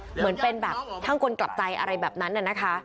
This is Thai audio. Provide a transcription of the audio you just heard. เหมือนเป็นแบบช่างกลกลับใจอะไรแบบนั้นน่ะนะคะ